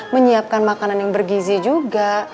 menyiapkan makanan yang bergizi juga